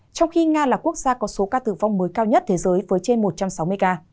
trong khi nga là quốc gia có số ca tử vong mới cao nhất thế giới với trên một trăm sáu mươi ca